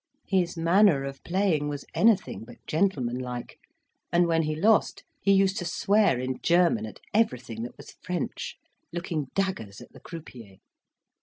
His manner of playing was anything but gentlemanlike, and when he lost, he used to swear in German at everything that was French, looking daggers at the croupiers.